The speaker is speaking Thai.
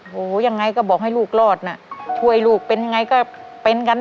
โหยังไงก็บอกให้ลูกรอดน่ะช่วยลูกเป็นยังไงก็เป็นกัน